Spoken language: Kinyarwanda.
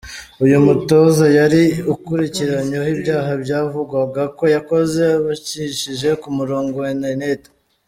Uyu mutoza yari akurikiranyweho ibyaha byavugwaga ko yakoze abicishije ku murongo wa Interineti.